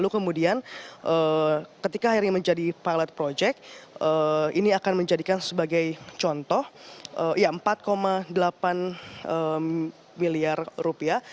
kemudian ketika akhirnya menjadi pilot project ini akan menjadikan sebagai contoh ya empat delapan miliar rupiah